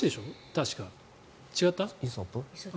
確か違った？